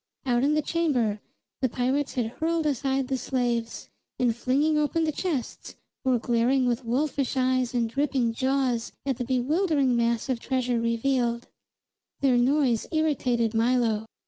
Out in the chamber the pirates had hurled aside the slaves, and, flinging open the chests, were glaring with wolfish eyes and dripping jaws at the bewildering mass of treasure revealed. Their noise irritated Milo.